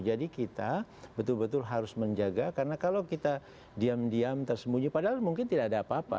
kita betul betul harus menjaga karena kalau kita diam diam tersembunyi padahal mungkin tidak ada apa apa